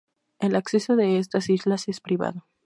El acceso de estás islas es privado.